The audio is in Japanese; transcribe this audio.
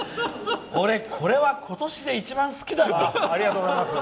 これ、今年で一番好きだな。